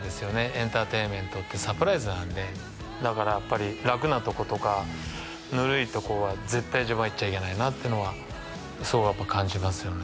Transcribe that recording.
エンターテインメントってサプライズなんでだからやっぱり楽なとことかぬるいとこは絶対自分はいっちゃいけないなっていうのはそうやっぱ感じますよね